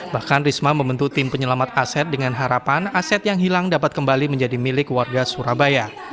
bahkan risma membentuk tim penyelamat aset dengan harapan aset yang hilang dapat kembali menjadi milik warga surabaya